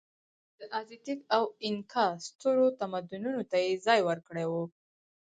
د ازتېک او اینکا سترو تمدنونو ته یې ځای ورکړی و.